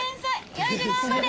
よいしょ頑張れ。